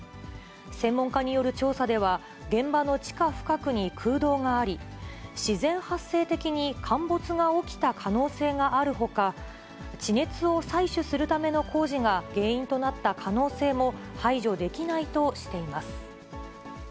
専門家による調査では、現場の地下深くに空洞があり、自然発生的に陥没が起きた可能性があるほか、地熱を採取するための工事が原因となった可能性も排除できないとしています。